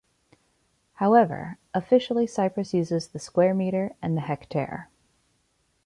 However, officially Cyprus uses the square metre and the hectare.